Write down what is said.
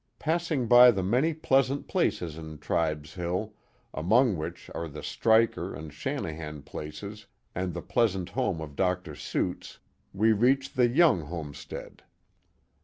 Passing by the many pleasant places in Tribes Hill, among which are the Striker and Shanahan places and the pleasant home of Dr. Suits, we reach the Young home stead.